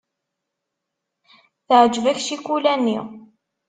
Teɛjeb-ak ccikula-nni.